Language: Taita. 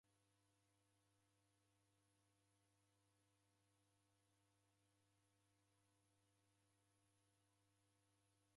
Daw'ida yadauza machi shighadi ya isanga ja kenya.